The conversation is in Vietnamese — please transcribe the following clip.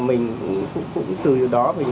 mình cũng từ đó mình